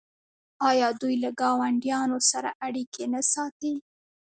آیا دوی له ګاونډیانو سره اړیکې نه ساتي؟